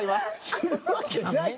するわけない！